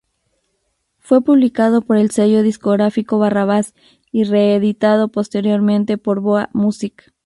Fue publicado por el sello discográfico Barrabás, y reeditado posteriormente por Boa Music.